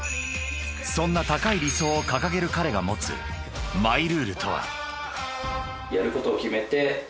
［そんな高い理想を掲げる彼が持つマイルールとは］